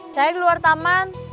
saya di luar taman